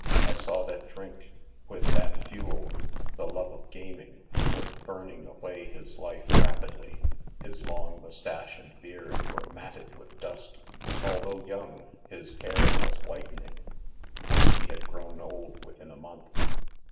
I saw that drink, with that fuel, ihe love of gaming, was burning away his life rapidly. His long mous tache and beard were matted with dust ; although young, his hair was whitening : he had grown old within a month.